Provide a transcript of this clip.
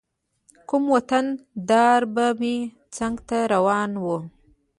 کوم وطن دار به مې څنګ ته روان و.